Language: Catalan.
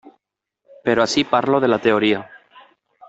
Però ací parlo de la teoria.